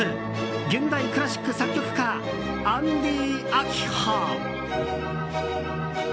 現代クラシック作曲家アンディ・アキホ。